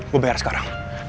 gue bayar sekarang